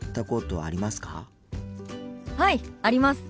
はいあります。